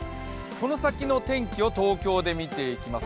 この先の天気を東京で見ていきます。